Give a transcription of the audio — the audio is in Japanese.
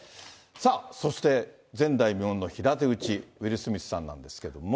さあそして、前代未聞の平手打ち、ウィル・スミスさんなんですけれども。